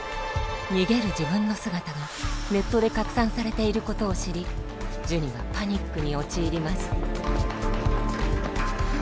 逃げる自分の姿がネットで拡散されていることを知りジュニはパニックに陥ります